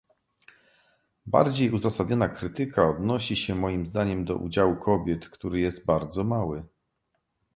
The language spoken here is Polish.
Bardziej uzasadniona krytyka odnosi się moim zdaniem do udziału kobiet, który jest bardzo mały